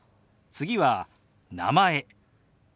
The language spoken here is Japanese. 次は「名前」。